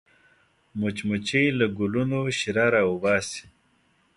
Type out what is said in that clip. مچمچۍ له ګلونو شیره راوباسي